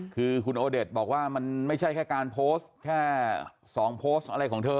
คือคุณโอเดชบอกว่ามันไม่ใช่แค่การโพสต์แค่๒โพสต์อะไรของเธอ